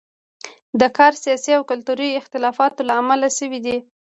دا کار د سیاسي او کلتوري اختلافونو له امله شوی دی.